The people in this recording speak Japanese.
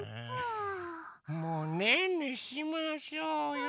もうねんねしましょうよ。